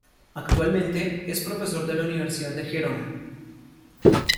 Actualmente es profesor de la Universidad de Gerona.